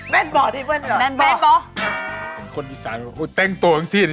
แม่นบ่ะที่เพื่อนเหมือนเหรอแม่นบ่ะ